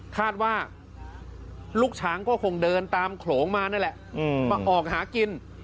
คาดว่าลูกช้างก็คงเดินตามโขลงมานั่นแหละมาออกหากิน